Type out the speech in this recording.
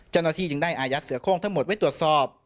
เจ้าหน้าที่จึงได้อายัดเสือโค้งทั้งหมดไว้ตรวจสอบ